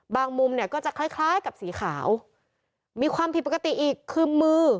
มุมเนี่ยก็จะคล้ายคล้ายกับสีขาวมีความผิดปกติอีกคือมือ